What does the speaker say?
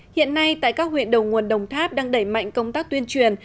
hiện nay tại các huyện đầu nguồn đồng tháp đang đẩy mạnh công tác tuyên truyền